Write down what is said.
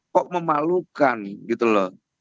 kok memalukan gitu loh